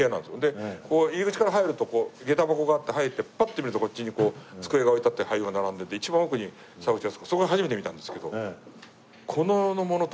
でこう入り口から入るとげた箱があって入ってパッて見るとこっちに机が置いてあって俳優が並んでて一番奥に沢口靖子そこで初めて見たんですけど。